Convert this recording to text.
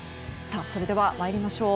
それでは参りましょう。